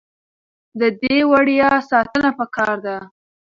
د دې ویاړ ساتنه پکار ده.